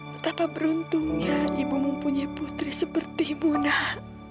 betapa beruntungnya ibu mempunyai putri seperti ibu nak